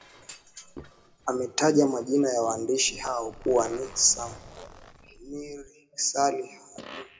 ametaja majina ya waandishi hao kuwa ni samir sali hiridin